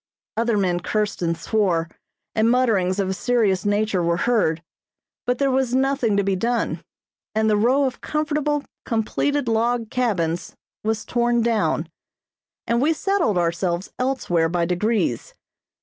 Other men cursed and swore, and mutterings of a serious nature were heard; but there was nothing to be done, and the row of comfortable, completed log cabins was torn down, and we settled ourselves elsewhere by degrees.